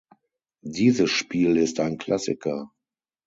Dieses Spiel ist ein Klassiker!